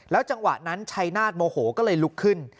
แล้วจังหวะนะชัยนาธโมโหก็เลยลุกขึ้น